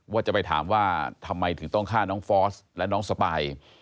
ว่าจะไปถามว่าทำไมถึงต้องฆ่าน้องฟอสและน้องสปาย